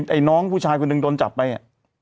ไอ้น้องผู้ชายคนหนึ่งโดนจับไปอ่ะ